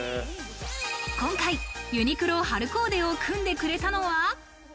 今回、ユニクロ春コーデを組んでくれたのは。